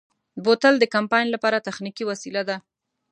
بوتل د کمپاین لپاره تخنیکي وسیله ده.